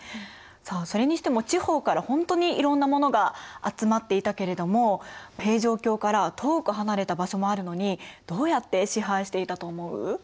さあそれにしても地方からほんとにいろんなものが集まっていたけれども平城京から遠く離れた場所もあるのにどうやって支配していたと思う？